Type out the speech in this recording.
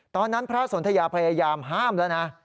ตอนนั้นพระสนทยาพยายามห้ามแล้วนะ